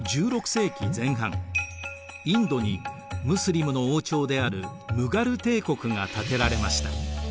１６世紀前半インドにムスリムの王朝であるムガル帝国が建てられました。